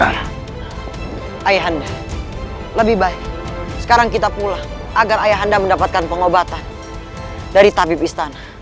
ayahanda lebih baik sekarang kita pulang agar ayahanda mendapatkan pengobatan dari tabib istana